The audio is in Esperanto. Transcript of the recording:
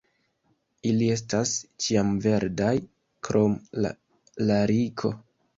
Ili estas ĉiamverdaj krom la lariko.